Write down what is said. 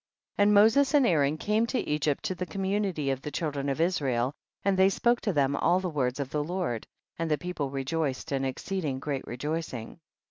19. And Moses and Aaron came to Egypt to the community of the children of Israel, and they spoke to them all the words of the Lord, and tiie people rejoiced an exceed ing great rejoicing.